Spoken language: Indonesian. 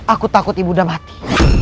aku takut ibunda mati